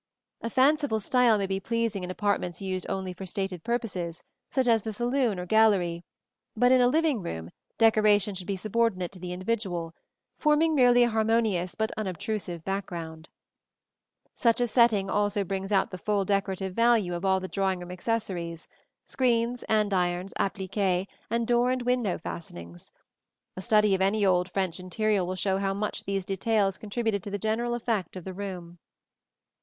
A fanciful style may be pleasing in apartments used only for stated purposes, such as the saloon or gallery; but in a living room, decoration should be subordinate to the individual, forming merely a harmonious but unobtrusive background (see Plates XXXVI and XXXVII). Such a setting also brings out the full decorative value of all the drawing room accessories screens, andirons, appliques, and door and window fastenings. A study of any old French interior will show how much these details contributed to the general effect of the room.